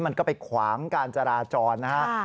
มันก็ไปขวางการจราจรนะฮะ